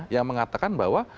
yang mengatakan bahwa